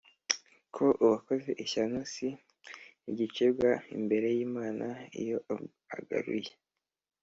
ko uwakoze ishyano si igicibwa imbere y’imana iyo agaruye